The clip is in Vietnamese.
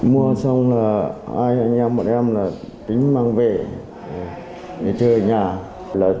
mua xong hai anh em một em tính mang về để chơi ở nhà